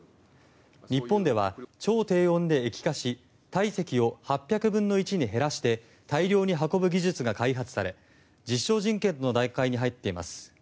日本では超低温で液化し体積を８００分の１に減らして大量に運ぶ技術が開発され実証実験の段階に入っています。